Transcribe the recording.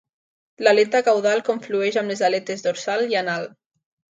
L'aleta caudal conflueix amb les aletes dorsal i anal.